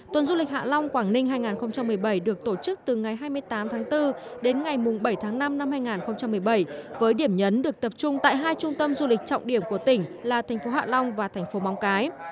tuần du lịch hạ long quảng ninh hai nghìn một mươi bảy được tổ chức từ ngày hai mươi tám tháng bốn đến ngày bảy tháng năm năm hai nghìn một mươi bảy với điểm nhấn được tập trung tại hai trung tâm du lịch trọng điểm của tỉnh là thành phố hạ long và thành phố móng cái